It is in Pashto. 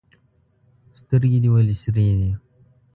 سترګي دي ولي سرې دي؟